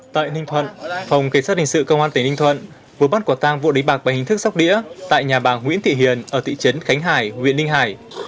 tại ninh thuận phòng cảnh sát hình sự công an tỉnh ninh thuận vừa bắt quả tang vụ đánh bạc bằng hình thức sóc đĩa tại nhà bà nguyễn thị hiền ở thị trấn khánh hải huyện ninh hải